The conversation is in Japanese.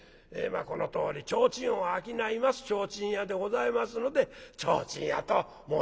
まあこのとおり提灯を商います提灯屋でございますので提灯屋と申しました。